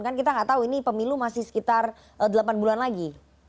kan kita nggak tahu ini pemilu masih sekitar delapan bulan lagi